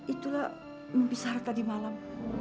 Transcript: itulah mimpi sar tadi malam